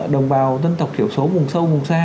đồng bào dân tộc thiểu số mùng sâu mùng xa